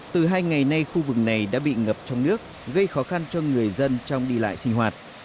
từ hai ngày nay khu vực này đã bị ngập trong nước gây khó khăn cho người dân trong đi lại sinh hoạt